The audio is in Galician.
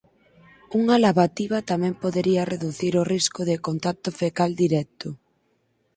Unha lavativa tamén podería reducir o risco de contacto fecal directo.